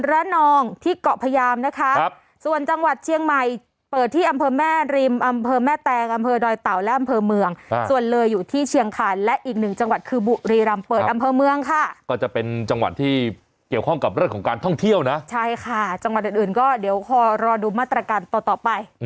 ระนองที่เกาะพยามนะคะครับส่วนจังหวัดเชียงใหม่เปิดที่อำเภอแม่ริมอำเภอแม่แตงอำเภอดอยเต่าและอำเภอเมืองส่วนเลยอยู่ที่เชียงคานและอีกหนึ่งจังหวัดคือบุรีรำเปิดอำเภอเมืองค่ะก็จะเป็นจังหวัดที่เกี่ยวข้องกับเรื่องของการท่องเที่ยวนะใช่ค่ะจังหวัดอื่นอื่นก็เดี๋ยวพอรอดูมาตรการต่อต่อไป